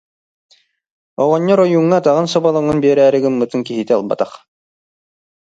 Оҕонньор ойууҥҥа атаҕын соболоҥун биэрээри гыммытын, киһитэ ылбатах